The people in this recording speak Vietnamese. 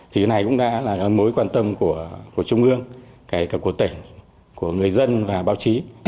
thì cái này cũng đã là mối quan tâm của trung ương kể cả của tỉnh của người dân và báo chí